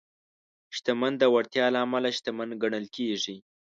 شتمن د وړتیاوو له امله شتمن ګڼل کېږي.